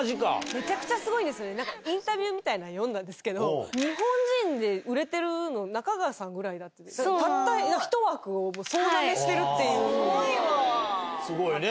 めちゃくちゃすごいんです、インタビューみたいなの読んだんですけど、日本人で売れてるの、中川さんぐらい、たった１枠を総なめしてるすごいよね。